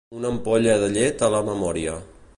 Una ampolla de llet a la memòria.